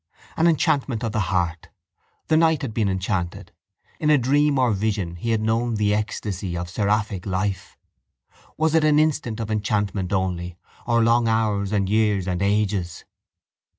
An enchantment of the heart! The night had been enchanted. In a dream or vision he had known the ecstasy of seraphic life. Was it an instant of enchantment only or long hours and years and ages?